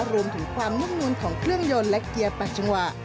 รวมถึงความนุ่มนูนของเครื่องยนต์และเกียร์๘จังหวะ